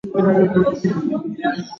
Walienda hospitalini jana